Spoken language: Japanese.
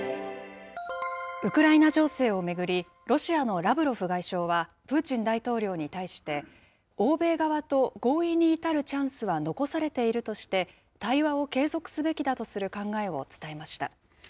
ウクライナ情勢を巡り、ロシアのラブロフ外相はプーチン大統領に対して、欧米側と合意に至るチャンスは残されているとして、対話を継続すべきだとする考えを伝えました。